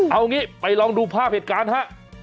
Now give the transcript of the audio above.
เอางี้ไปลองดูภาพเหตุการณ์ฮะ